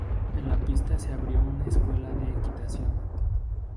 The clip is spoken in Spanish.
En la pista se abrió una escuela de equitación.